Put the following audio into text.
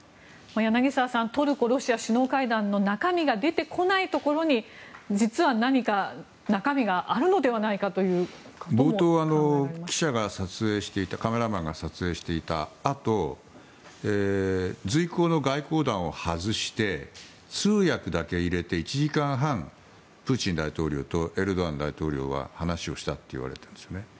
柳澤さんトルコ・ロシア首脳会談の中身が出てこないところに実は何か中身が冒頭の記者やカメラマンが撮影していたあと随行の外交団を外して通訳だけ入れて１時間半プーチン大統領とエルドアン大統領は話をしたといわれているんです。